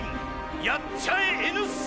やっちゃえＮ産。